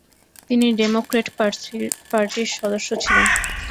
তিনি ডেমোক্র্যাট পার্টির সদস্য ছিলেন।